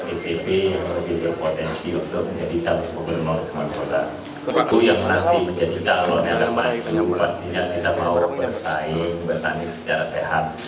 itu yang nanti menjadi calon yang baik pastinya kita mau bersaing bertanding secara sehat